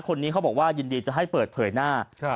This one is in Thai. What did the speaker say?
คนนี้เขาบอกว่ายินดีจะให้เปิดเผยหน้า